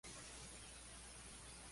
Hay un lado oscuro y un lado de luz.